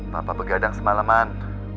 bapak begadang semaleman